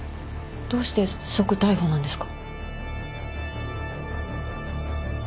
どうして即逮捕なんですか？